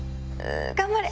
頑張れ！